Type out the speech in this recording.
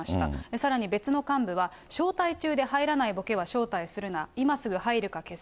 さらに別の幹部は、招待中で入らないボケは招待するな、今すぐ入るか、消せ。